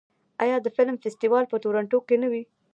آیا د فلم فستیوال په تورنټو کې نه وي؟